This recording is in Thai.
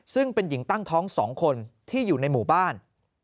ซึ่งเป็นหญิงตั้งท้อง๒คนที่อยู่ในหมู่บ้าน